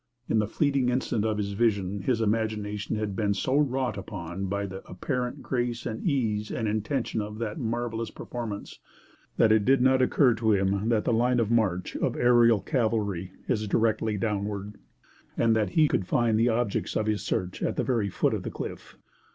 In the fleeting instant of his vision his imagination had been so wrought upon by the apparent grace and ease and intention of the marvelous performance that it did not occur to him that the line of march of aerial cavalry is directly downward, and that he could find the objects of his search at the very foot of the cliff.